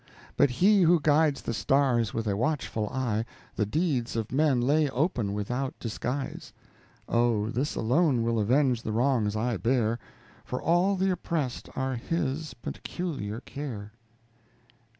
But He who guides the stars with a watchful eye, The deeds of men lay open without disguise; Oh, this alone will avenge the wrongs I bear, For all the oppressed are His peculiar care.